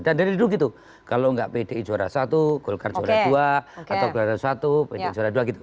dan dari dulu gitu kalau gak pdi juara satu golkar juara dua atau golkar satu pdi juara dua gitu